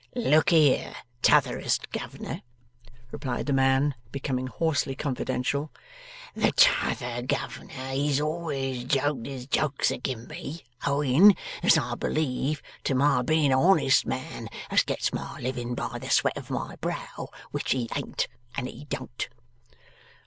'Look here, T'otherest Governor,' replied the man, becoming hoarsely confidential. 'The T'other Governor he's always joked his jokes agin me, owing, as I believe, to my being a honest man as gets my living by the sweat of my brow. Which he ain't, and he don't.